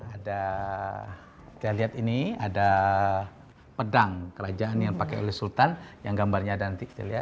ada kita lihat ini ada pedang kerajaan yang dipakai oleh sultan yang gambarnya ada nanti